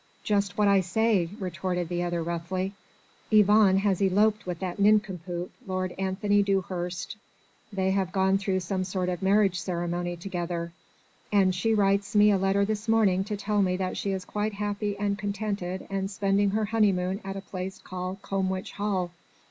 "Just what I say," retorted the other roughly. "Yvonne has eloped with that nincompoop Lord Anthony Dewhurst. They have gone through some sort of marriage ceremony together. And she writes me a letter this morning to tell me that she is quite happy and contented and spending her honeymoon at a place called Combwich Hall.